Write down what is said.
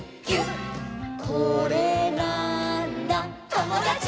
「これなーんだ『ともだち！』」